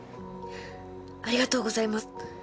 ありがとうございます。